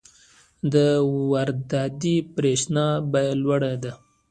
د وارداتي برښنا بیه لوړه ده.